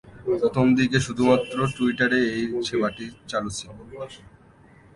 প্রথম দিকে শুধুমাত্র টুইটারে এই সেবাটি চালু ছিল।